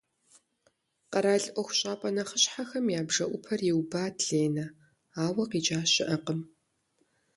Къэрал ӏуэхущӏапӏэ нэхъыщхьэхэм я бжэӏупэр иубат Ленэ, ауэ къикӏа щыӏэкъым.